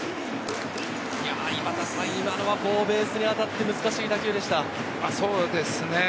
今のはベースに当たって難しい打球でした。